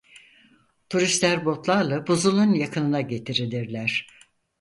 Turistler botlarla buzulun yakınına getirilirler.